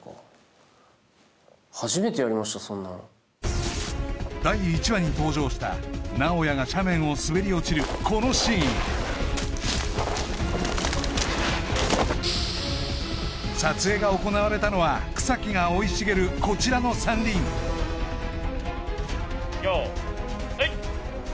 そんなの第１話に登場した直哉が斜面を滑り落ちるこのシーン撮影が行われたのは草木が生い茂るこちらの山林用意はい！